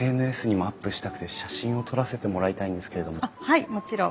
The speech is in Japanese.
はいもちろん。